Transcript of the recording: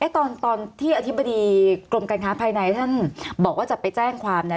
ตอนที่อธิบดีกรมการค้าภายในท่านบอกว่าจะไปแจ้งความเนี่ย